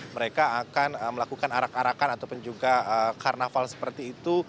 mereka akan melakukan arak arakan ataupun juga karnaval seperti itu